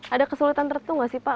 ada kesulitan tertentu nggak sih pak